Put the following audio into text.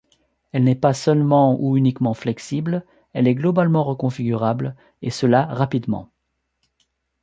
Elle n'est pas seulement ou uniquement flexible, elle est globalement reconfigurable, et cela rapidement.